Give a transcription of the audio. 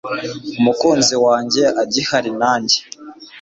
umukunzi wanjye agihari nanjye